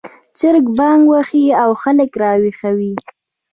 چرګ بانګ وايي او خلک راویښوي